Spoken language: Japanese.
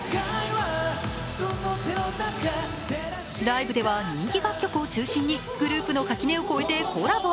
ライブでは人気楽曲を中心にグループの垣根を越えてコラボ。